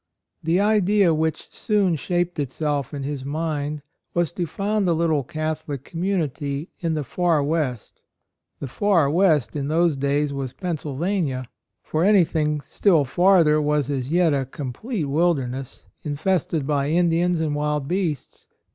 "' The idea which soon shaped itself in his mind was to found a little Catholic community in the far West. The "far West" in those days was Pennsylvania; for anything still farther was as yet a complete wilderness, in fested by Indians and wild beasts.